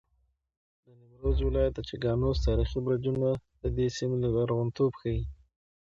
د نیمروز ولایت د چګانوس تاریخي برجونه د دې سیمې لرغونتوب ښیي.